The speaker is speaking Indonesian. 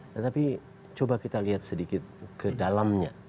tetapi coba kita lihat sedikit ke dalamnya